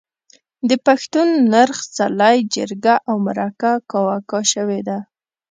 د پښتون نرخ، څلی، جرګه او مرکه کاواکه شوې ده.